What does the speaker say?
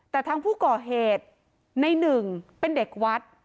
แต่ทางผู้ก่อเหตุในหนึ่งเป็นเด็กวัด